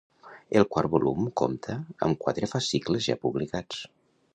El quart volum compta amb quatre fascicles ja publicats.